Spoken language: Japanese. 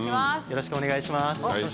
よろしくお願いします。